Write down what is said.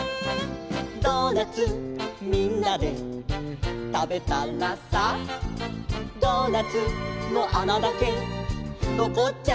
「ドーナツみんなでたべたらさ」「ドーナツのあなだけのこっちゃった」